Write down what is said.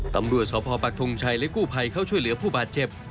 ตำรวจสพปักทงชัยและกู้ภัยเข้าช่วยเหลือผู้บาดเจ็บ